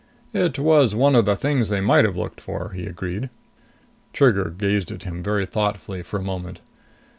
"It's one of the things they might have looked for," he agreed. Trigger gazed at him very thoughtfully for a moment.